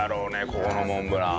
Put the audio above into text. ここのモンブラン。